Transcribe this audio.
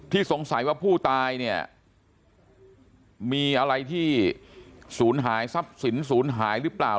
สงสัยว่าผู้ตายเนี่ยมีอะไรที่ศูนย์หายทรัพย์สินศูนย์หายหรือเปล่า